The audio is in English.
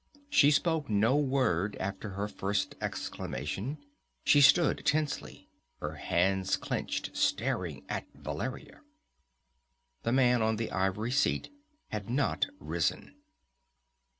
She spoke no word after her first exclamation; she stood tensely, her hands clenched, staring at Valeria. The man on the ivory seat had not risen.